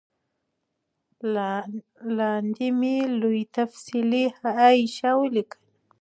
لاندي مي لوی تفصیلي حاشیه ولیکل